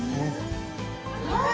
・はい。